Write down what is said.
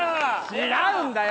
違うんだよ！